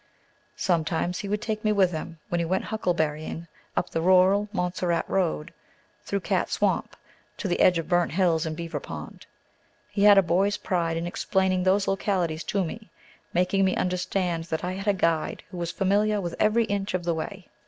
Sometimes he would take me with him when he went huckleberrying, up the rural Montserrat Road, through Cat Swamp, to the edge of Burnt Hills and Beaver Pond. He had a boy's pride in explaining these localities to me, making me understand that I had a guide who was familiar with every inch of the way.